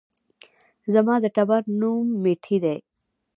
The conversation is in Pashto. زما د ټبر نوم ميټى دى